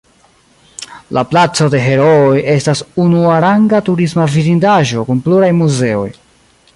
La Placo de Herooj estas unuaranga turisma vidindaĵo kun pluraj muzeoj.